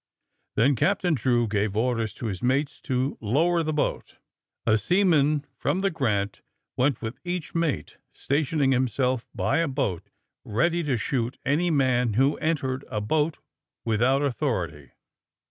"* Then Captain Drew gave orders to his mateg to lower the boat. A seaman from the Granf AND THE SMUGGLEES 127 went with each mate, stationing himself by a boat, ready to shoot any man who entered a boat without anthority.